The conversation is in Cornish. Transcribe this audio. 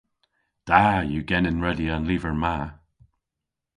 Da yw genen redya an lyver ma.